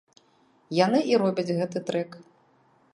Яны і робяць гэты трэк.